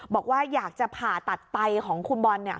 บอกว่าอยากจะผ่าตัดไตของคุณบอลเนี่ย